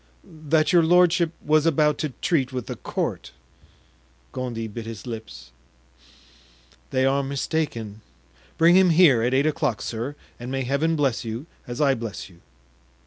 "That your lordship was about to treat with the court." Gondy bit his lips. "They are mistaken; bring him here at eight o'clock, sir, and may Heaven bless you as I bless you!"